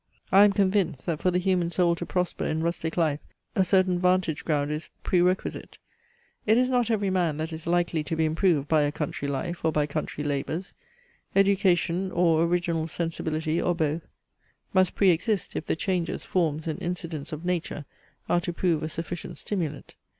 I am convinced, that for the human soul to prosper in rustic life a certain vantage ground is prerequisite. It is not every man that is likely to be improved by a country life or by country labours. Education, or original sensibility, or both, must pre exist, if the changes, forms, and incidents of nature are to prove a sufficient stimulant.